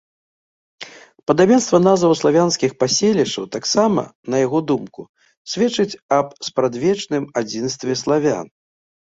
Падабенства назваў славянскіх паселішчаў таксама, на яго думку, сведчыць аб спрадвечным адзінстве славян.